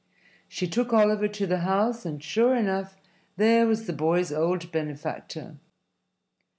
She took Oliver to the house, and, sure enough, there was the boy's old benefactor.